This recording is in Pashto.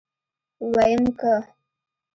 ويم که.